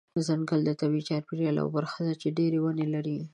ځنګل د طبیعي چاپیریال یوه برخه ده چې ډیری ونه لري.